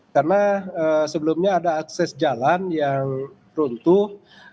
karena sebelumnya ada akses jalan yang runtuh